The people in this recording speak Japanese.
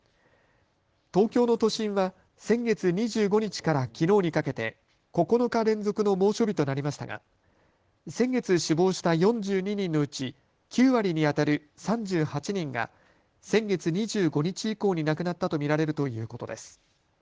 東京の都心は先月２５日からきのうにかけて９日連続の猛暑日となりましたが先月死亡した４２人のうち９割にあたる３８人が先月２５日以降に亡くなったと見られるということです。